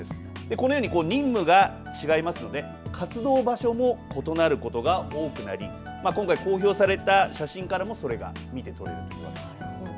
このように任務が違いますので活動場所も異なることが多くなり今回、公表された写真からもそれが見て取れます。